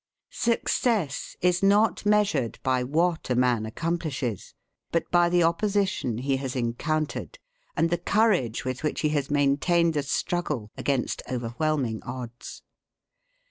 Success is not measured by what a man accomplishes, but by the opposition he has encountered, and the courage with which he has maintained the struggle against overwhelming odds.